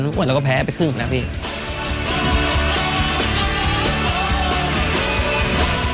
มีความสุขกับการเล่นฟุตบอลให้น่าที่สุด